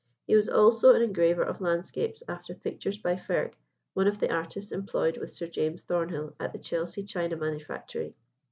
He was also an engraver of landscapes after pictures by Ferg, one of the artists employed with Sir James Thornhill at the Chelsea china manufactory.